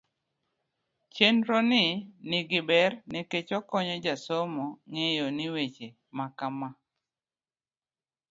chenro ni ni gi ber ne nikech okonyo jasomo ng'eyo ni weche makama